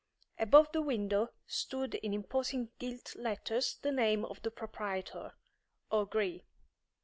Above the window stood in imposing gilt letters the name of the proprietor: O'Gree.